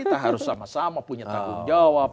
kita harus sama sama punya tanggung jawab